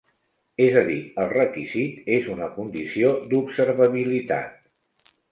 És a dir, el requisit és una condició d'observabilitat.